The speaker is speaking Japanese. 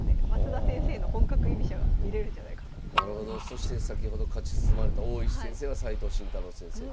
そして先ほど勝ち進まれた大石先生は斎藤慎太郎先生と。